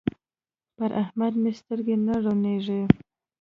پر احمد مې سترګې نه روڼېږي.